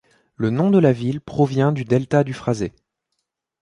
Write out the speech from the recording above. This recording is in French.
Le nom de la ville provient du delta du Fraser.